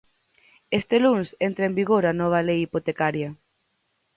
Este luns entra en vigor a nova Lei hipotecaria.